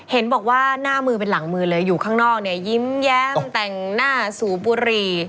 เห็นบอกว่าหน้ามือเป็นหลังมือเลยอยู่ข้างนอกเนี่ยยิ้มแย้มแต่งหน้าสูบบุรี